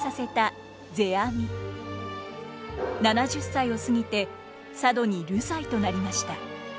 ７０歳を過ぎて佐渡に流罪となりました。